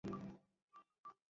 এখানে থাকা আত্মঘাতির শামিল।